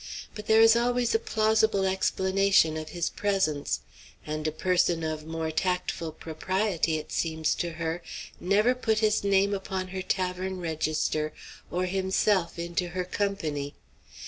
But there is always a plausible explanation of his presence, and a person of more tactful propriety, it seems to her, never put his name upon her tavern register or himself into her company.